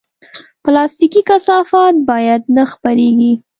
پلاستيکي کثافات باید نه خپرېږي.